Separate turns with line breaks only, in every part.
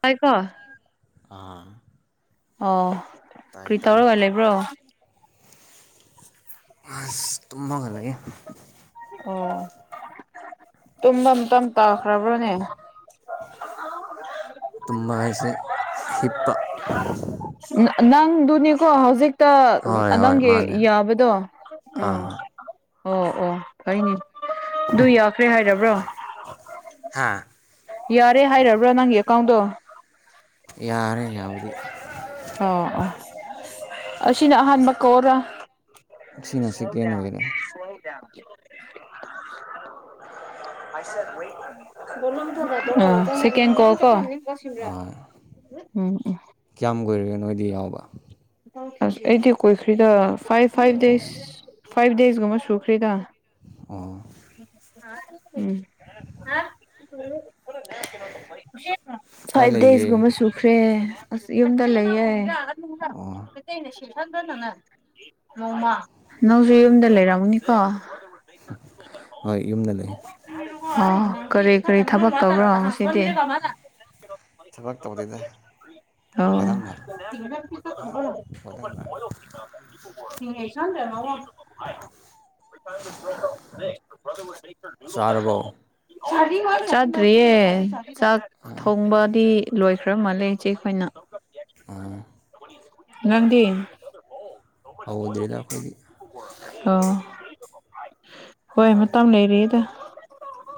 ꯇꯥꯏ ꯀꯣ
ꯑꯥ
ꯑꯣ
ꯇꯥꯏ
ꯀ꯭ꯔꯤ
ꯇꯥꯏ
ꯇꯧꯔꯒ ꯂꯩꯕ꯭ꯔꯣ
ꯑꯁ ꯇꯨꯝꯃꯒ ꯂꯩꯌꯦ
ꯑꯣ ꯇꯨꯝꯕꯇꯝ ꯇꯥꯈ꯭ꯔꯕ꯭ꯔꯣꯅꯦ
ꯇꯨꯝꯕ ꯍꯥꯏꯁꯦ ꯍꯤꯞꯄ
ꯅꯪ ꯅꯤꯀꯣ ꯍꯧꯖꯤꯛ ꯛꯇ
ꯍꯣꯏ
ꯅ
ꯍꯣꯏ
ꯅꯪꯒꯤ
ꯃꯥꯅꯦ
ꯌꯥꯕꯗꯣ ꯎꯝ
ꯑꯥ
ꯑꯣ ꯑꯣ ꯐꯔꯤꯅꯤ ꯑꯗꯨ ꯌꯥꯈ꯭ꯔꯦ ꯍꯥꯏꯔꯕ꯭ꯔꯣ
ꯍꯥꯥ
ꯌꯥꯔꯦ ꯍꯥꯏꯔꯕ꯭ꯔꯣ ꯅꯪ ꯀꯥꯎꯗꯣ
ꯌꯥꯔꯦ ꯌꯥꯎꯗꯤ
ꯑꯣ ꯑꯣ ꯑꯁꯤꯅ ꯑꯍꯥꯟꯕ ꯀꯧꯔ
ꯁꯤꯅ
ꯁꯣ
ꯁꯦꯀꯦꯟ
ꯌꯥ
ꯑꯣꯏꯔꯦ
ꯁꯣ ꯌꯥꯅ ꯑ ꯁꯤ ꯀ ꯀꯣ ꯀꯣ
ꯑꯥ
ꯎꯝ ꯎ
ꯀꯌꯥꯝ ꯀꯨꯏꯔꯒꯦ ꯅꯣꯏꯗꯤ ꯌꯥꯎꯕ
ꯑꯁ ꯑꯩꯗꯤ ꯀꯣꯏꯈ꯭ꯔꯤꯗ ꯐꯥꯏꯚ ꯐꯥꯏꯚ
ꯑꯣ
ꯗꯦꯖ ꯐꯥꯏꯚ ꯗꯦꯁꯀꯨꯝꯕ ꯁꯨꯈ꯭ꯔꯤꯗ
ꯑꯣ
[inaudible]
ꯀꯥꯏ
ꯐꯥꯏꯚ
ꯂꯩꯒꯦ
ꯗꯦꯁꯀꯨꯝꯕ ꯁꯨꯈ꯭ꯔꯦ ꯑꯁ ꯌꯨꯝꯗ ꯂꯩꯌꯦꯦ
ꯑꯣ
ꯇꯅꯦ ꯅꯣꯡꯃ ꯅꯪꯁꯨ ꯌꯨꯝꯗ ꯂꯩꯔꯝꯅꯤꯀꯣ
ꯍꯣꯏ ꯌꯨꯝꯗ ꯂꯩ
ꯑ ꯈꯔꯦ ꯀꯔꯤ ꯊꯕꯛ ꯇꯧꯕ꯭ꯔꯣ ꯉꯁꯤꯗꯤ
ꯊꯕꯛ ꯇꯧꯗꯣꯏꯗ
ꯑꯣ
ꯈꯗꯪꯅꯪꯅ ꯆꯥꯔꯕꯣ
ꯁꯗ ꯆꯠꯠꯔꯤꯌꯦ ꯆꯥꯛ ꯊꯣꯡꯕꯗꯤ ꯂꯣꯏꯈ꯭ꯔ ꯃꯥꯜꯂꯦ ꯏꯆꯦ ꯑꯩꯈꯣꯏꯅ
ꯑꯥ
ꯉꯪꯗꯤꯤꯟ
ꯍꯧꯗ꯭ꯔꯦꯗ ꯑꯩꯈꯣꯏꯒꯤ
ꯑ ꯍꯣꯏ ꯃ ꯊꯝ ꯂꯩꯔꯤꯗ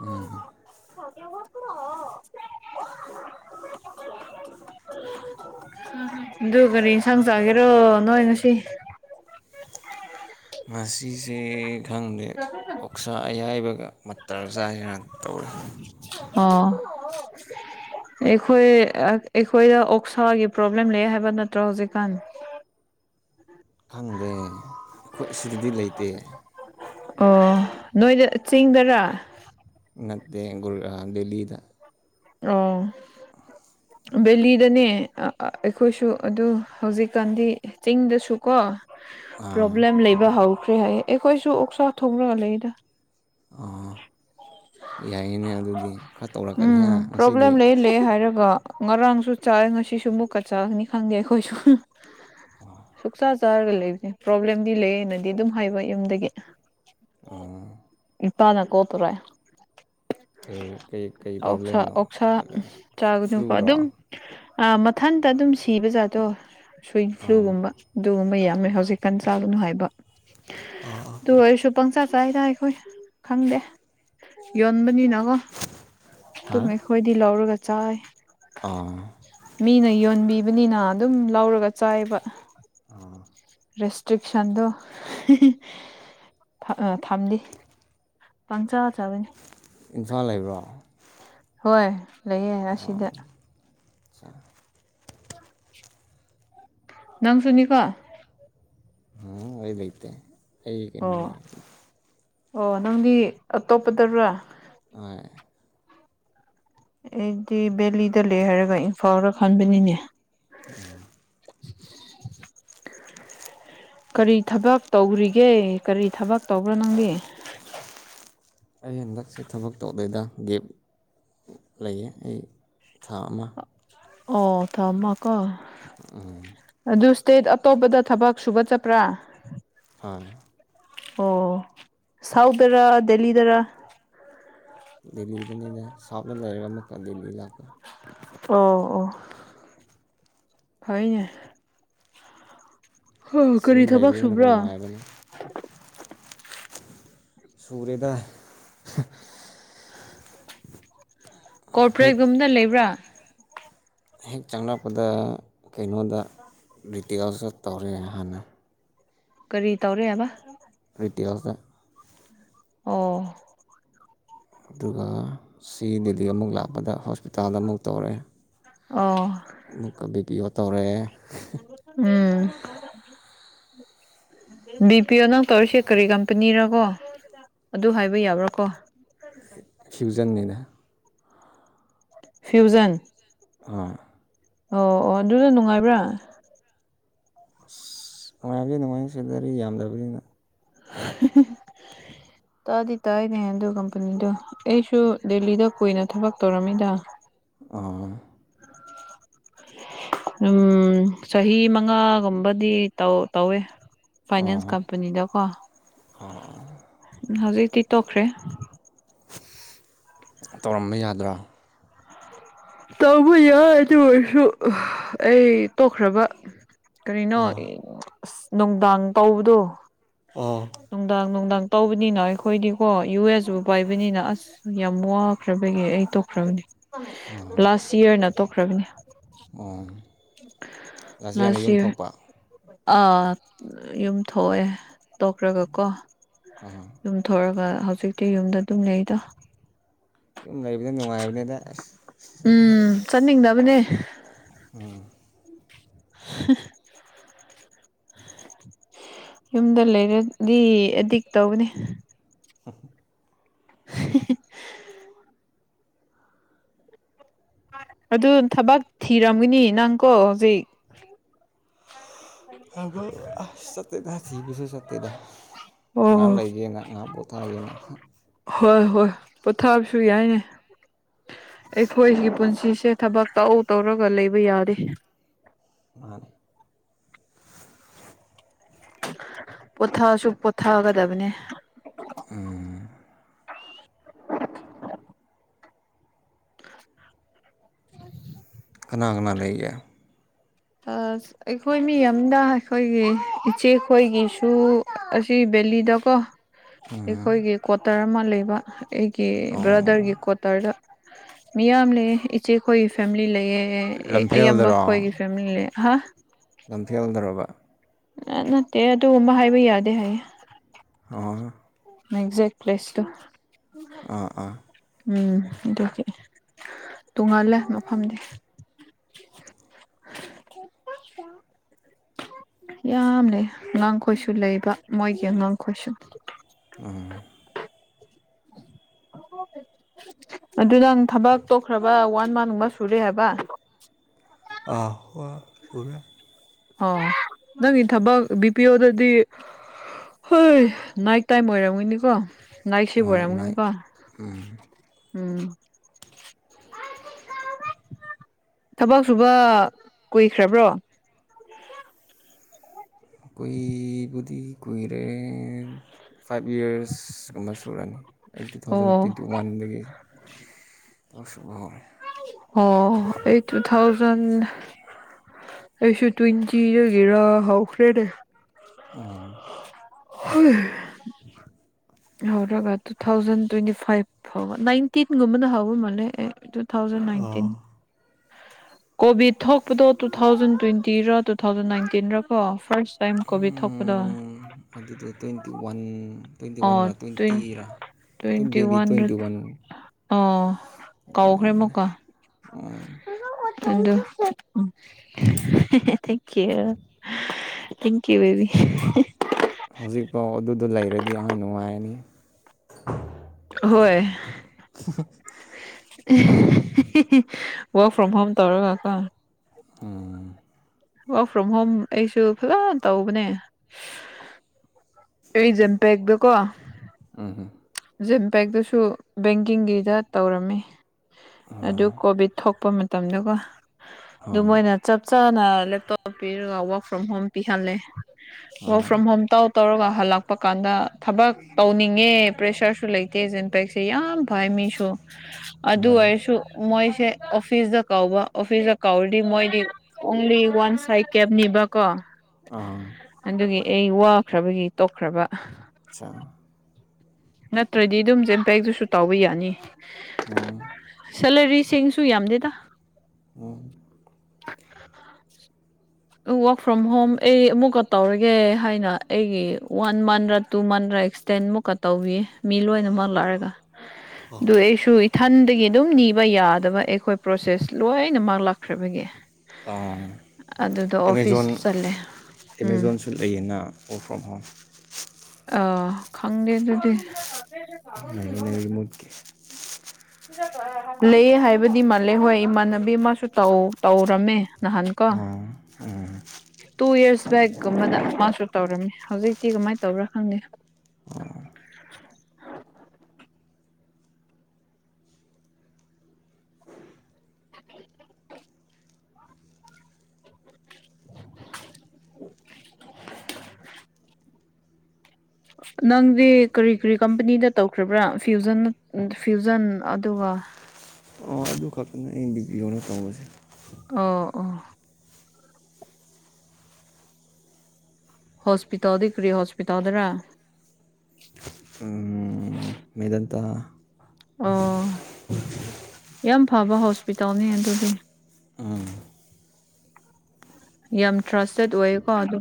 ꯎꯝ
ꯊꯒ꯭ꯔꯕꯄ꯭ꯔ
[inaudible]
ꯑꯗꯨ ꯀꯔꯤ ꯏꯟꯁꯥꯡ ꯆꯥꯒꯦꯔꯣ ꯅꯣꯏꯅ ꯁꯤ
ꯁꯤ ꯈꯪꯗꯦ ꯑꯣꯛꯁꯥ ꯑꯌꯥꯏꯕꯒ ꯃꯇꯔ ꯆꯥꯏꯁꯤꯅ ꯇꯧꯋꯦ
ꯑꯣ [inaudible] ꯑꯩꯈꯣꯏ ꯑꯩꯈꯣꯏꯗ ꯑꯣꯛꯁꯥꯒꯤ ꯄ꯭ꯔꯣꯕ꯭ꯂꯦꯝ ꯂꯩ ꯍꯥꯏꯕ ꯅꯠꯇ꯭ꯔꯣ ꯍꯧꯖꯤꯛꯀꯥꯟ
[inaudible] ꯈꯪꯗꯦ ꯑꯩꯈꯣꯏ ꯑꯁꯤꯗꯗꯤ ꯂꯩꯇꯦ
ꯑꯣ ꯅꯣꯏꯗ ꯆꯤꯡꯗꯔ
ꯅꯠꯇꯦꯒ ꯗꯦꯜꯂꯤꯗ
ꯑꯣ
[inaudible]
ꯕꯦꯂꯤꯗꯅꯦ ꯑꯩꯈꯣꯏꯁꯨ ꯑꯗꯨ ꯍꯧꯖꯤꯛꯀꯥꯟꯗꯤ ꯆꯤꯡꯗꯁꯨꯀꯣ
ꯑꯥ
ꯄ꯭ꯔꯣꯕ꯭ꯂꯦꯝ ꯂꯩꯕ ꯍꯧꯈ꯭ꯔꯦ ꯍꯥꯏꯌꯦ ꯑꯩꯈꯣꯏꯁꯨ ꯑꯣꯛꯁꯥ ꯊꯣꯛꯅꯒ ꯂꯩꯗ
ꯑꯥ ꯌꯥꯏꯅꯦ ꯑꯗꯨꯗꯤ ꯈꯔ ꯇꯧꯔꯛꯀꯅꯤ ꯍꯥ
ꯎꯝ
ꯉꯁꯤꯗꯤ
ꯄ꯭ꯔꯣꯕ꯭ꯂꯦꯝ ꯂꯩ ꯂꯩ ꯍꯥꯏꯔꯒ ꯉꯔꯥꯡꯁꯨ ꯆꯥꯏ ꯉꯁꯤꯁꯨ ꯃꯨꯛꯀ ꯆꯥꯒꯅꯤ ꯈꯪꯗꯦ ꯑꯩꯈꯣꯏꯁꯨ ꯁꯨꯛꯆꯥ ꯆꯥꯔꯒ ꯂꯩꯕꯁꯦ ꯄ꯭ꯔꯣꯕ꯭ꯂꯦꯝꯗꯤ ꯂꯩꯌꯦꯅꯗꯤ ꯑꯗꯨꯝ ꯍꯥꯏꯕ ꯌꯨꯝꯗꯒꯤ ꯇꯅꯦ ꯀꯠꯇꯔꯦ
ꯑꯩꯩ
ꯑꯣꯁꯥ ꯑꯣꯛꯁꯥ ꯆꯥꯒꯗꯀꯣ
ꯐ꯭ꯂꯨꯔꯣ
ꯑꯗꯨꯝ ꯥ ꯃꯊꯟꯇ ꯑꯗꯨꯝ ꯁꯤꯕ ꯖꯥꯗꯣ ꯁ꯭ꯋꯟ
ꯑꯥ
ꯐ꯭ꯂꯨꯒꯨꯝꯕ ꯑꯗꯨꯒꯨꯝꯕ ꯌꯥꯝ ꯍꯧꯖꯤ ꯆꯥ ꯍꯥꯏꯕ ꯑꯗꯨ ꯑꯩꯁꯨ ꯄ ꯆꯗ ꯑꯩꯈꯣꯏ ꯈꯪꯗꯦ ꯌꯣꯟꯕꯅꯤꯅꯀꯣ
ꯍꯥ
ꯑꯗꯨꯝ ꯑꯩꯈꯣꯏꯗꯤ ꯂꯧꯔꯒ ꯆꯥꯏ
ꯑꯥ
ꯃꯤꯅ ꯌꯣꯟꯕꯤ ꯕꯅꯤꯅꯥ ꯑꯗꯨꯝ ꯂꯧꯔꯒ ꯆꯥꯏꯕ
ꯑ
ꯔꯦꯁꯇ꯭ꯔꯤꯛꯁꯟꯗꯣ ꯊꯝꯂꯤ ꯄꯪꯆꯥ ꯆꯕꯅꯤ
ꯏꯝꯐꯥꯜ ꯂꯩꯕ꯭ꯔꯣ
ꯍꯣꯏ ꯂꯩꯌꯦꯦ ꯑꯁꯤꯗ
ꯆꯥ
ꯅꯪꯁꯨꯨꯅꯤ ꯀꯣ
ꯑꯣꯏ ꯂꯩꯩꯇ ꯑꯩ ꯀ
ꯑꯣ
ꯂꯩ
ꯑꯣ ꯅꯪꯗꯤ ꯑꯇꯣꯞꯄꯗꯔꯥ
ꯑ
ꯑꯩꯗꯤ ꯕꯦꯂꯤꯗ ꯂꯩ ꯍꯥꯏꯔꯒ ꯏꯝꯐꯥꯜꯗ ꯈꯟꯕꯅꯤꯅꯦ
ꯎꯝ
ꯀꯔꯤ ꯊꯕꯛ ꯇꯧꯔꯤꯒꯦ ꯀꯔꯤ ꯊꯕꯛ ꯇꯧꯕ꯭ꯔꯣ ꯅꯪꯒꯤ
ꯑꯩ ꯍꯟꯗꯛꯁꯦ ꯊꯕꯛ ꯇꯧꯗꯦꯗ ꯒꯦꯞ ꯂꯩꯌꯦ ꯑꯩ ꯊꯥ ꯑꯃ
ꯑꯣ ꯊꯝꯃꯀꯣ
ꯎꯝ
ꯏꯁꯇꯦꯠ ꯑꯇꯣꯞꯄꯗ ꯊꯕꯛ ꯁꯨꯕ ꯆꯠꯄ꯭ꯔꯥ
ꯑꯥ
ꯑꯣ ꯁꯥꯎꯊꯔ ꯗꯦꯜꯂꯤꯗꯔꯥ
ꯗꯦꯜꯂꯤꯗꯅꯤꯅ ꯁꯥꯎꯗ ꯂꯩꯔꯒ ꯑꯃꯨꯛꯀ ꯗꯦꯜꯂꯤ ꯂꯥꯛꯄ
ꯑꯣ ꯑꯣ ꯐꯅꯦ ꯍ
ꯑꯁ
ꯀꯔꯤ
ꯌꯨꯝ
ꯊꯕꯛ
ꯂꯩꯕꯗꯨꯅ
ꯁꯨꯕ꯭ꯔꯥ
ꯅꯨꯡꯉꯥꯏꯕꯅꯤ ꯁꯨꯔꯗ ꯍꯦꯛ
ꯀꯣꯔꯄꯔꯦꯒꯨꯝꯗ ꯂꯩꯕ꯭ꯔꯥ
ꯍꯦꯛ ꯆꯪꯂꯔꯛꯄꯗ ꯀꯩꯅꯣꯗ ꯔꯤꯇꯦꯜꯁꯨ ꯇꯧꯔꯦ ꯍꯥꯟꯅ
ꯀꯔꯤ ꯇꯧꯔꯦ ꯍꯥꯏꯕ
ꯑꯠꯇꯤꯌꯥꯁ
ꯑ
ꯑꯗꯨꯒ ꯁꯤ ꯗꯦꯜꯂꯤ ꯑꯃꯨꯛ ꯂꯥꯛꯄꯗ ꯍꯣꯁꯄꯤꯇꯥꯜꯗ ꯑꯃꯨꯛ ꯇꯧꯔꯑꯦ
ꯑꯣ
ꯑꯃꯨꯛꯀ ꯕꯤ ꯄꯤ ꯑꯣ ꯇꯧꯔꯑꯦ
ꯎꯝ
[inaudible]
ꯕꯤ ꯄꯤ ꯑꯣ ꯅꯪ ꯇꯧꯔꯤꯁꯦ ꯀꯔꯤ ꯀꯝꯄꯅꯤꯔ ꯀꯣ ꯑꯗꯨ ꯍꯥꯏꯕ ꯌꯥꯕ꯭ꯔꯥꯀꯣ
ꯍ꯭ꯌꯨꯖꯪꯅꯤꯅ
ꯐ꯭ꯌꯨꯖꯟ
ꯑꯥ
ꯑꯣ ꯑꯣ ꯑꯗꯨꯁꯨ ꯅꯨꯡꯉꯥꯏꯕ꯭ꯔꯥ
ꯁ ꯅꯨꯡꯉꯥꯏꯌꯦ ꯅꯨꯡꯉꯥꯏ ꯁꯤꯗꯔꯤ ꯌꯥꯝꯗ꯭ꯔꯕꯅꯤꯅ
[unintelligible]
[inaudible]
ꯇꯥꯗꯤ ꯇꯥꯏꯅꯦ ꯑꯗꯨ ꯀꯝꯄꯅꯤꯗꯣ ꯑꯩꯁꯨ ꯗꯦꯜꯂꯤꯗ ꯀꯨꯏꯅ ꯊꯕꯛ ꯇꯧꯔꯝꯃꯤꯗ
ꯑ
ꯎꯝ ꯆꯍꯤ ꯃꯉꯥꯒꯨꯝꯕꯗꯤ ꯇꯧ ꯇꯧꯋꯦ ꯐꯥꯏꯅꯥꯟꯁ ꯀꯝꯄꯅꯤꯗ ꯀꯣ
ꯑꯣ
ꯍꯧꯖꯤꯛꯇꯤ ꯇꯣꯛꯈ꯭ꯔꯦ
ꯇꯧꯔꯝꯕ ꯌꯥꯗ꯭ꯔꯥ
ꯇꯧꯕ ꯌꯥꯏ ꯑꯗꯨ ꯑꯣꯏꯔꯁꯨ ꯑꯩ ꯇꯣꯛꯈ꯭ꯔꯕ ꯀꯔꯤꯅꯣ ꯑꯁ ꯅꯨꯡꯗꯥꯡ ꯇꯕꯗꯣ ꯅꯨꯡꯗꯥꯡ ꯅꯨꯡꯗꯥꯡ ꯇꯧꯕꯅꯤꯅ ꯑꯩꯈꯣꯏꯗꯤꯀꯣ ꯌꯨ ꯑꯦꯁꯕꯨ ꯄꯥꯏꯕꯅꯤꯅ ꯑꯁ ꯌꯥꯝ ꯋꯥꯈ꯭ꯔꯕꯒꯤꯦ ꯑꯩ ꯇꯣꯛꯈ꯭ꯔꯕꯅꯦ ꯂꯥꯁ ꯏꯌꯥꯔꯅ ꯇꯣꯛꯈ꯭ꯔꯕꯅꯤ
ꯑꯣ ꯂꯥꯁ ꯏꯌꯥꯔꯅ
ꯂꯁꯤ
ꯌꯨꯝ ꯊꯣꯛꯄ
ꯑꯥ ꯌꯨꯝ ꯊꯣꯛꯑꯦ ꯇꯣꯛꯈ꯭ꯔꯒꯀꯣ ꯌꯨꯝꯊꯣꯔꯒ ꯍꯧꯖꯤꯛꯇꯤ ꯌꯨꯝꯗ ꯑꯗꯨꯝ ꯂꯩꯩꯗꯣ
ꯏꯨꯝ ꯂꯩ ꯂꯩꯕꯗ ꯅꯨꯡꯉꯥꯏꯕꯅꯦꯗ
ꯎꯝ ꯆꯠꯅꯤꯡꯗꯕꯅꯦ
ꯎꯝ
[unintelligible] ꯌꯨꯝꯗ ꯂꯩꯔꯗꯤ ꯑꯦꯗꯤꯛ ꯇꯧꯕꯅꯤ
[unintelligible]
[unintelligible] ꯑꯗꯨ ꯊꯕꯛ ꯊꯤꯔꯝꯒꯅꯤ ꯅꯪꯀꯣ ꯍꯧꯖꯤꯛ
ꯍꯥꯏꯕꯨ ꯁꯇ ꯊꯁꯤꯁ ꯁꯠꯇꯤꯗ ꯉꯍꯥ
ꯑꯣ
ꯂꯩꯒꯦꯅ ꯉꯥ ꯄꯣꯊꯥꯒꯦꯅ
ꯄꯣꯊꯥꯞꯁꯨ ꯌꯥꯏꯅꯦ ꯑꯩꯈꯣꯏꯒꯤ ꯄꯨꯟꯁꯤꯁꯦ ꯊꯕꯛ ꯇꯧꯎ ꯇꯧꯔꯒ ꯂꯩꯕ ꯌꯥꯔꯦ
ꯃꯥꯅꯤ
ꯄꯣꯊꯁꯨ ꯄꯣꯊꯥꯒꯗꯕꯅꯦ
ꯑꯅꯥ ꯑꯪꯅꯥ ꯂꯩꯒ
ꯑꯩꯈꯣꯏ ꯃꯤ ꯑꯝꯗ ꯑꯩꯈꯣꯏꯒꯤ ꯏꯆꯦꯈꯣꯏꯒꯤꯁꯨ ꯑꯁꯤ ꯕꯦꯂꯤꯗ ꯀꯣ ꯑꯩꯈꯣꯏꯒꯤ ꯀ꯭ꯋꯥꯇꯔ ꯑꯃ ꯂꯩꯕ ꯑꯩꯒꯤ
ꯑꯣ
ꯕ꯭ꯔꯗꯔꯒꯤ ꯀ꯭ꯋꯥꯇꯔꯗ ꯃꯤꯌꯥꯝ ꯂꯩ ꯏꯆꯦꯈꯣꯏꯒꯤ ꯐꯦꯃꯤꯂꯤ ꯂꯩꯌꯦ ꯑ ꯌꯥꯝꯕ
ꯂꯝꯐꯦꯜꯗꯔꯣ
ꯈꯣꯏꯒꯤ ꯐꯦꯃꯤꯂꯤ ꯍꯥ
ꯂꯝꯐꯦꯜꯗꯔꯕ
ꯅꯠꯇꯦ ꯑꯗꯨꯒꯨꯝꯕ ꯍꯥꯏꯕ ꯌꯥꯗꯦ ꯍꯥꯏꯌꯦ
ꯑ
ꯑꯦꯛꯖꯦꯛ ꯄ꯭ꯂꯦꯁ ꯇ
ꯑꯥ ꯑꯥ
ꯎꯝ ꯑꯗꯨꯒꯤ ꯇꯣꯡꯍꯜꯂꯦ ꯃꯐꯝꯗꯤ
[unintelligible]
ꯌꯥꯝꯅꯦ ꯑꯉꯥꯡ ꯈꯣꯏꯁꯨ ꯂꯩꯕ ꯃꯣꯏꯒꯤ ꯑꯉꯥꯡꯈꯣꯏꯁꯨ
ꯎꯝ [unintelligible]
ꯑꯗꯨ ꯅꯪ ꯊꯕꯛ ꯇꯣꯛꯈ꯭ꯔꯕ ꯋꯥꯟ ꯃꯟꯒꯨꯝꯕ ꯁꯨꯔꯦ ꯍꯥꯏꯕ
ꯑ ꯍꯣ ꯁꯦ
ꯑꯣ ꯅꯪꯒꯤ ꯊꯕꯛ ꯕꯤ ꯄꯤ ꯑꯣꯗꯗꯤ ꯍꯣꯏ ꯅꯥꯏꯠ ꯇꯥꯏꯝ ꯑꯣꯏꯔꯝꯒꯣꯏꯅꯤꯀꯣ
ꯍꯣꯏ ꯂꯥꯏ
ꯥꯛꯁꯤꯕꯣꯔꯦꯃꯅꯤꯀꯣ ꯎꯝ ꯊꯕꯛ ꯁꯨꯕ ꯀꯨꯏꯈ꯭ꯔꯕ꯭ꯔꯣ
ꯀꯣꯏꯕꯗꯤ ꯀꯨꯏꯔꯦ ꯐꯥꯏꯚ ꯌꯔꯁꯀꯨꯝꯕ ꯁꯨꯔꯅꯤ ꯑꯩ ꯇꯨ ꯊꯥꯎꯖꯟ
ꯑꯣ
ꯇ꯭ꯋꯦꯟꯇꯤ ꯋꯥꯟꯗꯒꯤ ꯇꯁꯨꯕꯣꯜ
ꯑꯣ ꯑꯩ ꯇꯨ ꯊꯥꯎꯖꯟ ꯑꯦꯁꯨ ꯇꯨꯟꯆꯔꯒꯦꯔ ꯍꯥꯎ ꯐ꯭ꯔꯦꯅꯦꯦ ꯍꯣꯏ ꯍꯧꯔꯒ ꯇꯨ ꯊꯥꯎꯖꯟ ꯇ꯭ꯋꯦꯟꯇꯤ ꯐꯥꯏꯚ ꯅꯟꯇꯤꯟꯒꯨꯝꯕꯅ ꯍꯥꯎ ꯃꯥꯦ ꯇꯨ ꯊꯥꯎꯖꯟ ꯅꯥꯏꯟꯇꯤꯟ ꯀꯣꯚꯤꯠ ꯊꯣꯛꯄꯗꯣ ꯇꯨ ꯊꯥꯎꯖꯟ ꯇ꯭ꯋꯦꯟꯇꯤꯔꯥ ꯇꯨ ꯊꯥꯎꯖꯟ ꯅꯥꯏꯟꯇꯤꯟꯔ ꯀꯣ ꯐꯥꯔꯁ ꯇꯥꯏꯝ ꯀꯣꯕꯤ ꯊꯄꯗ
ꯑꯗꯨꯗꯣ ꯇ꯭ꯋꯦꯟꯇꯤ ꯋꯥꯟ ꯇ꯭ꯋꯦꯟꯇꯤ
ꯑꯣ
ꯋꯥꯟꯔ
ꯇ꯭ꯋꯦꯟ
ꯇ꯭ꯋꯦꯟꯇꯤꯔ
ꯇ꯭ꯋꯦꯟꯇꯤ
ꯕꯦꯕꯤ
ꯋꯥꯟ
ꯇ꯭ꯋꯦꯟꯇꯤ ꯋꯥꯟ
ꯑ ꯀꯥꯎꯈ꯭ꯔꯦ
ꯂꯩꯔꯝꯕꯅꯦ
ꯃꯀ ꯊꯦꯡꯌꯨ ꯊ ꯌꯨ ꯦꯕꯤ
ꯑꯗꯨ ꯂꯩꯔꯗꯤ ꯑꯍ ꯅꯨꯡꯉꯥꯏꯔꯅꯤ
ꯍꯣꯏꯣꯏ ꯋꯥꯋꯔꯛ ꯐ꯭ꯔꯣꯝ ꯍꯣꯝ ꯇꯧꯔꯒꯀꯣ
ꯎꯝ
ꯋꯥꯔꯛ ꯐ꯭ꯔꯣꯝ ꯍꯣꯝ ꯑꯩꯁꯨ ꯐꯖꯅ ꯇꯧꯕꯅꯦ ꯑꯦꯖꯝꯄꯦ ꯌꯦꯦꯛꯕꯣ
ꯎ ꯍꯝ
ꯖꯤꯝꯄꯦꯛꯇꯨꯁꯨ ꯕꯦꯡꯀꯤꯡꯒꯤꯗ ꯇꯧꯔꯝꯃꯤ
ꯎꯝ
ꯑꯗꯨ
ꯑ
ꯀꯣꯚꯤꯠ ꯊꯣꯛꯄ ꯃꯇꯝꯗꯀꯣ ꯑꯗꯨ
ꯑ
ꯃꯣꯏꯅ ꯆꯞ ꯆꯥꯅ ꯂꯦꯞꯇꯣꯞ ꯄꯤꯔꯒ ꯋꯔꯛ ꯐ꯭ꯔꯣꯝ ꯍꯣꯝ ꯄꯤꯍꯜꯂꯦ ꯋꯔꯛ ꯐ꯭ꯔꯣꯝ ꯍꯣꯝ ꯇꯧ ꯇꯧꯔꯒ ꯍꯜꯂꯛꯄ ꯀꯥꯟꯗ ꯊꯕꯛ ꯇꯧꯅꯤꯡꯉꯦ ꯄ꯭ꯔꯦꯁꯔꯁꯨ ꯂꯩꯇꯦꯖ ꯏꯝꯄꯦꯛꯁꯦ ꯌꯥꯝ ꯐꯩ ꯃꯤꯁꯨ ꯑꯗꯨ ꯑꯣꯏꯔꯁꯨ ꯃꯣꯏꯁꯦ ꯑꯣꯐꯤꯁꯇ ꯀꯧꯕ ꯑꯣꯐꯤꯁꯇ ꯀꯧꯔꯗꯤ ꯃꯣꯏꯗꯤ ꯑꯣꯡꯂꯤ ꯋꯥꯟ ꯁꯥꯏ ꯀꯦꯞ ꯕ ꯀꯣ
ꯑꯥ
ꯑꯩ ꯋꯥꯈ꯭ꯔꯕꯒꯤ ꯇꯣꯛꯈ꯭ꯔꯕ
ꯑꯆꯥ
ꯅꯠꯇ꯭ꯔꯗꯤ ꯑꯗꯨꯝ ꯖꯦꯟꯇꯦꯛꯛꯇꯁꯨ ꯇꯥꯎꯕ ꯌꯥꯅꯤꯂꯔꯤ ꯦꯡꯁꯨ ꯌꯥꯝꯗꯦꯗ
ꯎꯝ
[inaudible] ꯋꯥꯔꯛ ꯐ꯭ꯔꯣꯝ ꯍꯣꯝ ꯑꯩ ꯑꯃꯨꯛꯀ ꯇꯧꯔꯒꯦ ꯍꯥꯏꯅ ꯑꯩꯒꯤ ꯋꯥꯟ ꯃꯟꯔꯥ ꯇꯨ ꯃꯟꯔ ꯑꯦꯛꯁꯇꯦꯟ ꯃꯨꯛꯀ ꯇꯧꯕꯤ ꯃꯤ ꯂꯣꯏꯅꯃꯛ ꯂꯔꯒ ꯑꯗꯨ ꯑꯩꯁꯨ ꯊꯟꯗꯒꯤ ꯑꯗꯨꯝ ꯅꯤꯕ ꯌꯥꯗꯕ ꯑꯩꯈꯣꯏ ꯄ꯭ꯔꯣꯁꯦꯁ ꯂꯣꯏꯅꯃꯛ ꯂꯥꯛꯈ꯭ꯔꯕꯒꯤ
ꯑꯥ
ꯑꯗꯨꯗ ꯑꯣꯐꯤꯁ
ꯑꯦꯃꯦꯥꯖꯣꯟ
ꯆꯠꯂꯦ ꯎꯝ
ꯑꯦꯃꯦꯥꯖꯣꯟꯁꯨ ꯂꯩꯌꯦꯅ ꯔꯛ ꯐ꯭ꯔꯣꯝ ꯍꯣꯝ
ꯑ ꯈꯪꯗꯦ ꯑꯗꯨꯗꯤ
ꯥꯏ ꯃ ꯔꯤꯃꯣꯠ ꯀ
ꯂꯩꯑ ꯍꯥꯏꯕꯗꯤ ꯃꯥꯜꯂꯦ ꯍꯣꯏ ꯏꯃꯥꯟꯅꯕꯤ ꯑꯃꯁꯨ ꯇꯧꯔꯝꯃꯦ ꯅꯍꯥꯟ ꯀꯣ
ꯑꯥ ꯑꯥ
ꯇꯨ ꯏꯔꯁ ꯕꯒꯨꯝꯕꯗ ꯃꯥꯁꯨ ꯇꯧꯔꯝꯃꯤ ꯍꯧꯖꯤꯛꯇꯤ ꯀꯃꯥꯏꯅ ꯇꯧꯔꯥ ꯈꯪꯉꯦ [inaudible] ꯅꯪꯗꯤ ꯀꯔꯤ ꯀꯔꯤ ꯀꯝꯄꯅꯤꯗ ꯇꯧꯈ꯭ꯔꯤꯕ꯭ꯔꯥ ꯐ꯭ꯌꯨꯖꯟ ꯐ꯭ꯌꯨꯖꯟ ꯑꯗꯨꯒ ꯑ
ꯑꯣ ꯑꯗꯨ ꯈꯛꯇꯅ ꯑꯡ ꯕꯤꯕꯤꯌꯣꯅ ꯇꯧꯧꯕꯁꯦ
ꯑꯣ ꯑꯣ ꯍꯣꯁꯄꯤꯇꯥꯜꯗ ꯀꯔꯤ ꯍꯣꯁꯄꯤꯇꯥꯜꯗꯔ
ꯃꯦꯗꯇ
ꯑꯣ ꯌꯥꯝ ꯐꯕ ꯍꯣꯁꯄꯤꯇꯥꯜꯅꯤ ꯑꯗꯨꯗꯤ
ꯎꯝ
ꯌꯥꯝ ꯇ꯭ꯔꯥꯁꯇꯦꯠ ꯑꯣꯏꯌꯦꯀꯣ ꯑꯗꯨ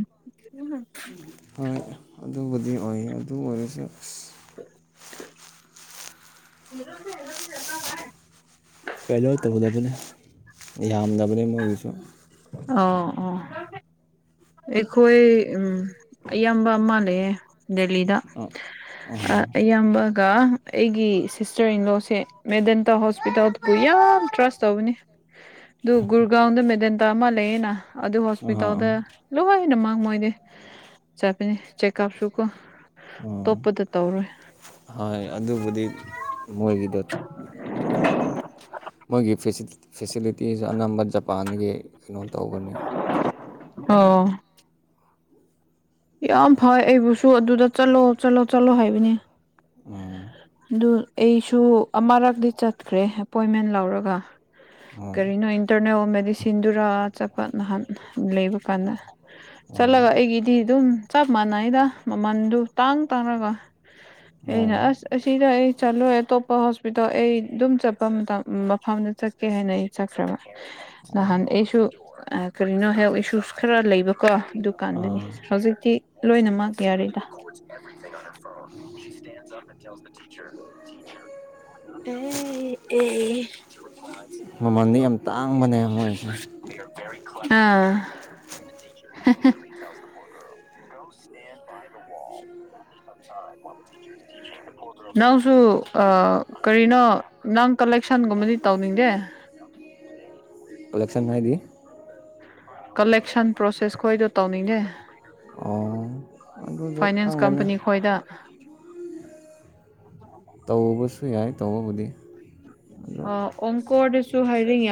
ꯍꯣꯏ ꯑꯗꯨꯕꯨꯗꯤ ꯑꯣꯏ ꯑꯗꯨ ꯑꯣꯏꯔꯁꯨ
[inaudible] ꯍꯔꯣꯗꯔꯁꯨ ꯍꯥꯏ
ꯀꯩꯅꯣ ꯇꯧꯗꯕꯅꯤ ꯌꯥꯝꯗꯕꯅꯤ ꯃꯣꯏꯒꯤꯁꯨ
ꯑꯣ ꯑꯣ ꯑꯩꯈꯣꯏ ꯎꯝ ꯑꯌꯥꯝꯕ ꯃꯥꯜꯂꯑꯦ ꯗꯦꯜꯂꯤꯗ
ꯑꯥ ꯑꯥ
ꯑꯌꯥꯝꯕꯒ ꯑꯩꯒꯤ ꯁꯤꯁꯇꯔ ꯏꯟꯂꯣꯁꯦ ꯃꯦꯗꯦꯟꯇꯥ ꯍꯣꯁꯄꯤꯇꯥꯜꯗ ꯄꯨꯌ ꯌꯥꯝ ꯇ꯭ꯔꯁ ꯇꯧꯕꯅꯦ ꯑꯗꯨ ꯒꯔꯒꯥꯎꯗ ꯃꯦꯗꯦꯟꯟ ꯇꯑꯃꯜꯂ ꯌꯦꯅ ꯑꯗꯨ
ꯑꯥ ꯑꯥ
ꯍꯣꯁꯄꯤꯇꯥꯜꯗ ꯂꯣꯏꯅꯃꯥꯡ ꯃꯣꯏꯗꯤ ꯆꯥꯕꯤꯅꯤ ꯆꯦꯛꯑꯞꯁꯨꯀ
ꯑꯥ
ꯇꯣꯞꯄꯗ ꯇꯧꯔꯣꯏ
ꯍꯣꯏ ꯑꯗꯨꯕꯨꯗꯤ ꯃꯣꯏꯒꯤꯗ
[inaudible]
ꯃꯣꯏꯒꯤ ꯐꯦꯁꯤꯂꯤꯇꯤꯁ ꯑꯅꯝꯕ ꯖꯄꯥꯟꯒꯤ ꯀꯩꯅꯣ ꯇꯧꯕꯅꯤ
ꯑꯣ ꯌꯥꯝ ꯐꯩ ꯑꯩꯕꯨꯁꯨ ꯑꯗꯨꯗ ꯆꯠꯂꯣ ꯆꯠꯂꯣ ꯆꯠꯂꯣ ꯍꯥꯏꯕꯅꯦ
ꯎꯝ
ꯑꯗꯨ ꯑꯩꯁꯨ ꯑꯃꯔꯛꯇꯗꯤꯤ ꯆꯠꯈ꯭ꯔꯦ ꯑꯦꯄꯣꯏꯟꯃꯦꯟ ꯂꯧꯔꯒ
ꯎꯝ
ꯀꯔꯤꯅꯣ ꯏꯟꯇꯔꯅꯦꯜ ꯁꯤꯟꯗꯨꯔꯥ ꯆꯠꯄ ꯅꯍꯥꯟ ꯂꯩꯕ ꯀꯥꯟꯗ
ꯎꯝ
ꯆꯠꯂꯒ ꯑꯩꯒꯤꯗꯤ ꯑꯗꯨꯝ ꯆꯞ ꯃꯥꯟꯅꯩꯗ ꯃꯃꯟꯗꯨ ꯇꯥꯡ ꯇꯥꯡꯔꯒ
ꯎꯝ
ꯑꯩꯅ ꯑꯁ ꯑꯁꯤꯗ ꯑꯩ ꯆꯠꯂꯣꯏ ꯑꯇꯣꯞꯄ ꯍꯣꯁꯄꯤꯇꯥꯜ ꯑꯩ ꯑꯗꯨꯝ ꯆꯠꯄ ꯃꯇꯝ ꯃꯐꯝꯗꯨ ꯆꯠꯀꯦ ꯍꯥꯏꯅ ꯑꯩ ꯆꯠꯈ꯭ꯔꯕ ꯅꯍꯥꯟ ꯑꯩꯁꯨ ꯀꯔꯤꯅꯣ ꯍꯦꯜꯁ ꯈꯔ ꯂꯩꯕ ꯑ ꯀꯣ ꯗꯨꯀꯥꯟꯗꯨꯅꯤ
ꯑꯥ
ꯍꯧꯖꯤꯛꯇꯤ ꯂꯣꯏꯅꯃꯛ ꯌꯥꯔꯗ
ꯎ
[inaudible] ꯑꯦ ꯑꯦ
ꯃꯃꯜꯗꯤ ꯌꯥꯝ ꯇꯥꯡꯕꯅꯦ ꯃꯣꯏꯁꯦ
ꯑꯥ
[inaudible]
[inaudible] ꯅꯎꯁꯨꯨ ꯑ ꯀꯔꯤꯅꯣ ꯅ ꯀꯂꯁꯟꯒꯃꯗꯤ ꯇꯕꯅꯤꯦ
ꯀꯂꯦꯛꯁꯟ ꯃꯗꯤ
ꯀꯂꯦꯛꯁꯟ ꯄꯣꯁꯦꯁ ꯈꯣꯏꯗ ꯇꯧꯅꯤꯅꯦ
ꯑꯣ ꯑꯗꯨꯗꯣ
ꯐꯥꯏꯅꯥꯟꯁ
ꯈꯪꯗꯦꯅꯦ
ꯀꯝꯄꯅꯤ ꯈꯣꯏꯗ
ꯇꯧꯕꯁꯨ ꯌꯥꯏ ꯇꯧꯕꯕꯨꯗꯤ ꯑꯗꯣ
ꯑꯣ ꯑꯣꯪꯀꯣꯗꯁꯨ ꯍꯥꯏꯗꯤ